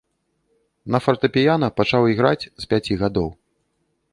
На фартэпіяна пачаў іграць з пяці гадоў.